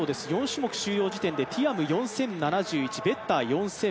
４種目終了時点でティアム４０７１、ベッター４０１０。